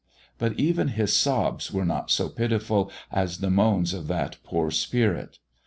But even his sobs were not so pitiful as the moans of that poor spirit.